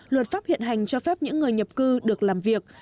luật pháp hiện hành cho phép những người nhập cư được làm việc